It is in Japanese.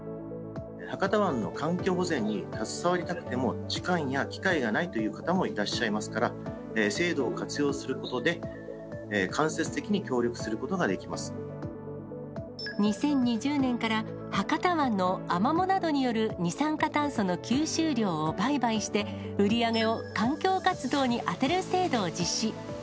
博多湾の環境保全に携わりたくても、時間や機会がないという方もいらっしゃいますから、制度を活用することで、２０２０年から、博多湾のアマモなどによる二酸化炭素の吸収量を売買して、売り上げを環境活動に充てる制度を実施。